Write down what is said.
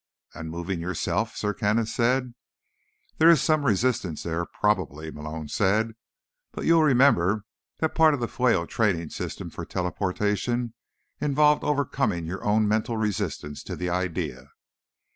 "And moving yourself?" Sir Kenneth said. "There is some resistance there, probably," Malone said. "But you'll remember that part of the Fueyo training system for teleportation involved overcoming your own mental resistance to the idea."